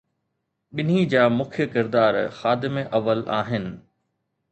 ٻنهي جا مکيه ڪردار خادم اول آهن.